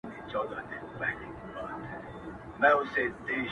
له ستړتیا یې خوږېدی په نس کي سږی،